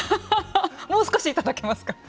もう少しいただけますか。